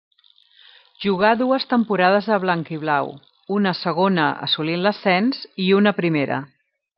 Jugà dues temporades de blanc-i-blau, una a segona, assolint l'ascens, i una a primera.